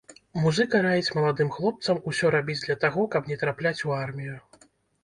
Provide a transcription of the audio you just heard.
Музыка раіць маладым хлопцам усё рабіць для таго, каб не трапляць у армію.